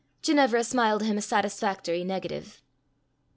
Ginevra smiled him a satisfactory negative.